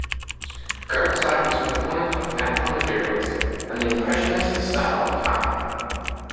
Gartside was a proponent of natural materials and the impressionist style of tying.